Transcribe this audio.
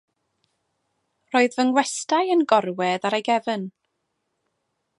Roedd fy ngwestai yn gorwedd ar ei gefn.